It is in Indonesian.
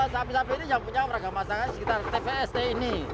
sapi sapi ini yang punya orang orang masyarakat sekitar tpsd ini